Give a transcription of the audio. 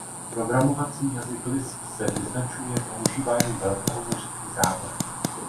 Programovací jazyk Lisp se vyznačuje používáním velkého množství závorek.